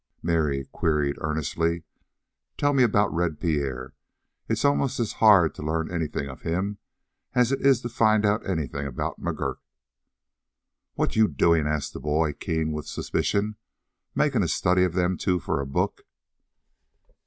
Mary queried earnestly: "Tell me about Red Pierre. It's almost as hard to learn anything of him as it is to find out anything about McGurk." "What you doing?" asked the boy, keen with suspicion. "Making a study of them two for a book?"